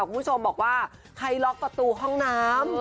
คุณผู้ชมบอกว่าใครล็อกประตูห้องน้ำ